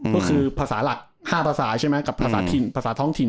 ก็คือภาษาหลัก๕ภาษากับภาษาท้องถิ่น